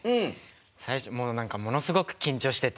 最初もう何かものすごく緊張してて。